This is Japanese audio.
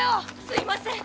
すいません。